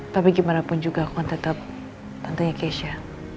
tapi gimana pun juga aku akan tetap tantangnya keisha